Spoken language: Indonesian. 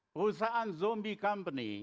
perusahaan zombie company